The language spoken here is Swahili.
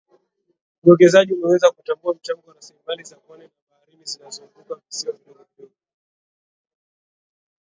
Uwekezaji umeweza kutambua mchango wa rasilimali za pwani na baharini zinazozunguka visiwa vidogo vidogo